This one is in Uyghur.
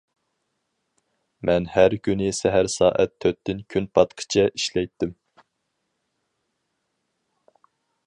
مەن ھەر كۈنى سەھەر سائەت تۆتتىن كۈن پاتقىچە ئىشلەيتتىم.